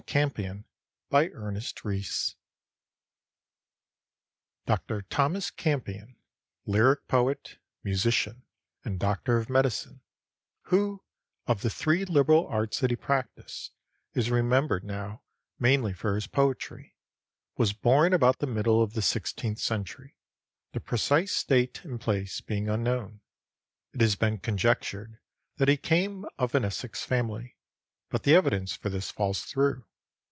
CAMPION ( 1619) BY ERNEST RHYS Dr. Thomas Campion, lyric poet, musician, and doctor of medicine, who, of the three liberal arts that he practiced, is remembered now mainly for his poetry, was born about the middle of the sixteenth century; the precise date and place being unknown. It has been conjectured that he came of an Essex family; but the evidence for this falls through.